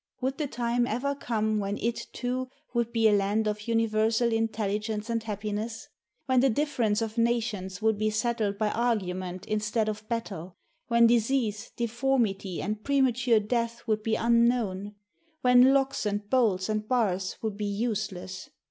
Would the time ever come when it, too, would be a land of universal intelligence and happiness? When the difference of nations would be settled by argument instead of battle? When disease, deformity and premature death would be unknown? When locks, and bolts and bars would be useless?